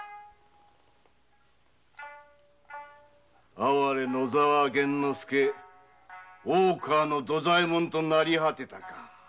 哀れ野沢源之助大川の土左衛門となり果てたか。